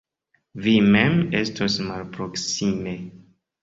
Vi mem estos malproksime.